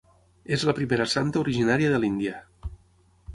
És la primera santa originària de l'Índia.